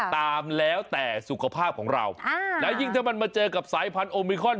ตามแล้วแต่สุขภาพของเราแล้วยิ่งถ้ามันมาเจอกับสายพันธุมิคอน